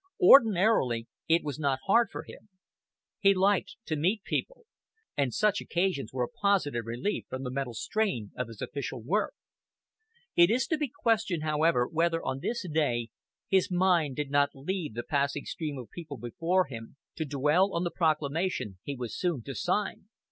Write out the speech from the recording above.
Ordinarily it was not hard for him. He liked to meet people, and such occasions were a positive relief from the mental strain of his official work. It is to be questioned, however, whether, on this day, his mind did not leave the passing stream of people before him, to dwell on the proclamation he was so soon to sign.